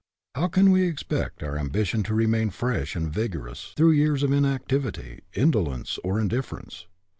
How can we expect our ambition to remain fresh and vigorous through years of inactivity, indolence, or indifference?